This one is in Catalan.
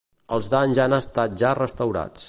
Els danys han estat ja restaurats.